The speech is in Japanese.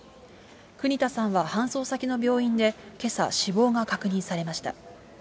国田さんは搬送先の病院でけさ、死亡が確認されました。